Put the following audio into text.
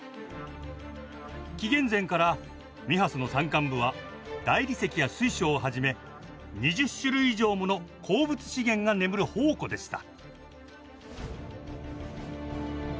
紀元前からミハスの山間部は大理石や水晶をはじめ２０種類以上もの鉱物資源が眠る宝庫でした。